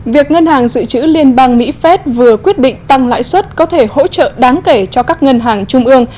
việc ngân hàng dự trữ liên bang mỹ phép vừa quyết định tăng lãi suất có thể hỗ trợ đáng kể cho các ngân hàng trung ương